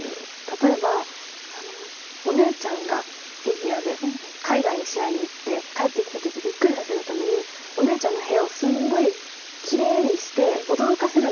例えばお姉ちゃんがフィギュアで海外に試合に行って帰ってきた時びっくりさせるためにお姉ちゃんの部屋をすごいきれいにして驚かせるのが好きで。